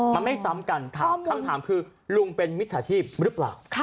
มันไม่ซ้ำกันคำถามคือลุงเป็นมิจฉาชีพหรือเปล่า